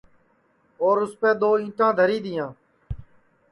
اور اُسپے دؔو اِنٹا دھری دیاں